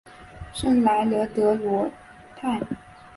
圣莱热德罗泰。